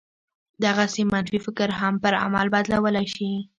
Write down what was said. دغسې منفي فکر هم پر عمل بدلولای شي